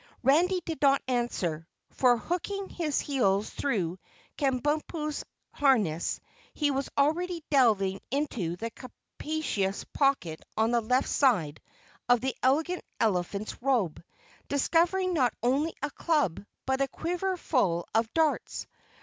Randy did not answer, for hooking his heels through Kabumpo's harness, he was already delving into the capacious pocket on the left side of the Elegant Elephant's robe, discovering not only a club, but a quiver full of darts.